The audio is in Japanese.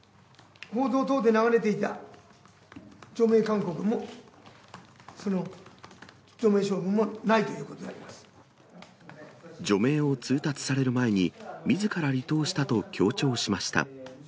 報道等で流れていた除名勧告もその除名処分もないということであ除名を通達される前に、みずから離党したと強調しました。